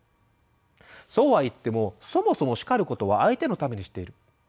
そうは言っても「そもそも叱ることは相手のためにしている」